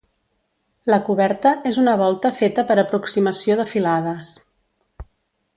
La coberta és una volta feta per aproximació de filades.